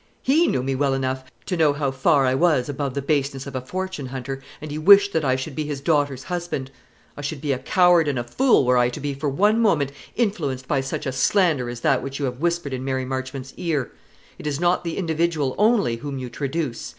He knew me well enough to know how far I was above the baseness of a fortune hunter, and he wished that I should be his daughter's husband. I should be a coward and a fool were I to be for one moment influenced by such a slander as that which you have whispered in Mary Marchmont's ear. It is not the individual only whom you traduce.